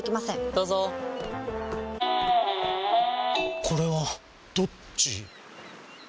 どうぞこれはどっち？